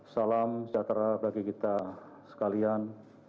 salam sejahtera bagi kita sekalian